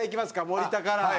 森田から。